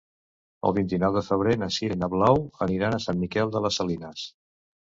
El vint-i-nou de febrer na Sira i na Blau aniran a Sant Miquel de les Salines.